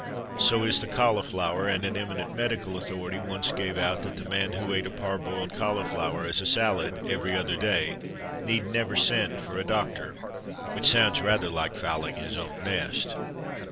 So is the cauliflower; and an eminent medical authority once gave out that the man who ate a parboiled cauliflower, as a salad, every other day, need never send for a doctor. Which sounds rather like fouling his own nest.